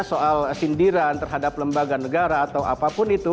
soal sindiran terhadap lembaga negara atau apapun itu